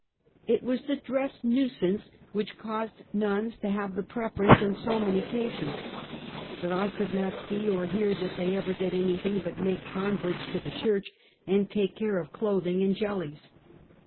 It was the dress nuisance which caused nuns to have the preference in so many cases; but I could not see or hear that they ever did anything but make con verts to the church and take care of clothing and jellies.